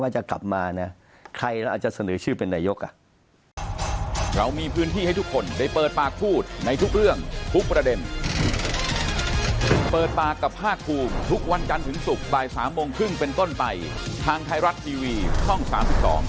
จะกลับมานะใครเราอาจจะเสนอชื่อเป็นนายกอ่ะ